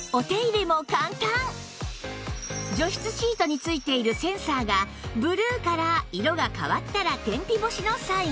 除湿シートに付いているセンサーがブルーから色が変わったら天日干しのサイン